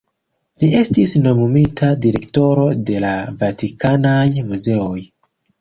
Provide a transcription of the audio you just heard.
Li estis nomumita direktoro de la Vatikanaj muzeoj.